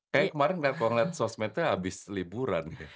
kayak kemarin kalau ngeliat sosmednya abis liburan